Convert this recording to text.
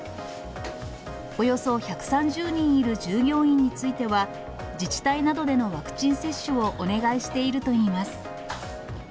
およそ１３０人いる従業員については、自治体などでのワクチン接種をお願いしているといいます。